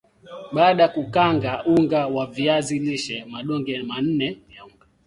baada ya kukanga unga wa viazi lishe madonge manne ya unga